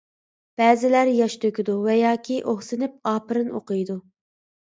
بەزىلەر ياش تۆكىدۇ ۋە ياكى ئۇھسىنىپ، ئاپىرىن ئوقۇيدۇ.